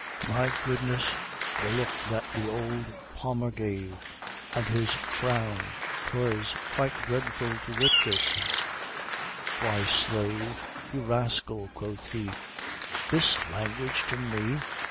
My goodness! the look that the old Palmer gave! And his frown! 'twas quite dreadful to witness "Why, slave! You rascal!" quoth he, "This language to ME!